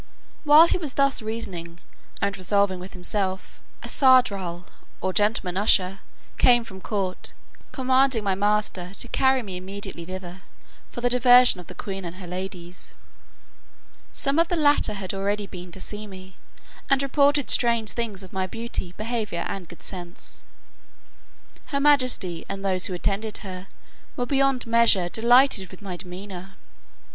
While he was thus reasoning and resolving with himself, a sardral, or gentleman usher, came from court, commanding my master to carry me immediately thither for the diversion of the queen and her ladies. Some of the latter had already been to see me, and reported strange things of my beauty, behaviour, and good sense. Her majesty, and those who attended her, were beyond measure delighted with my demeanour.